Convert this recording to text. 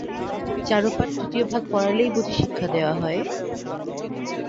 চারুপাঠ তৃতীয় ভাগ পড়ালেই বুঝি শিক্ষা দেওয়া হয়?